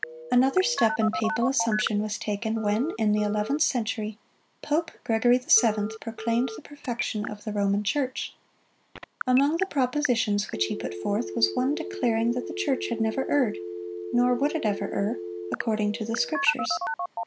Another step in papal assumption was taken, when, in the eleventh century, Pope Gregory VII. proclaimed the perfection of the Roman Church. Among the propositions which he put forth, was one declaring that the church had never erred, nor would it ever err, according to the Scriptures.